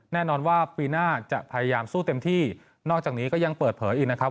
แน่นอนว่าปีหน้าจะพยายามสู้เต็มที่นอกจากนี้ก็ยังเปิดเผยอีกนะครับ